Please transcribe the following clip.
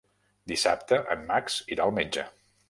Dissabte en Max irà al metge.